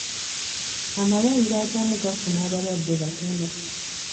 Amalwaliro agamu gafuna abalwadde batono.